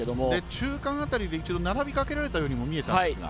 中間辺りで一度、並びかけられたように見えたんですが。